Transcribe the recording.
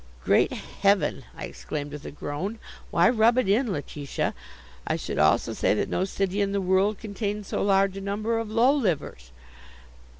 "Great Heaven!" I exclaimed with a groan, "why rub it in, Letitia? I should also say that no city in the world contained so large a number of low livers."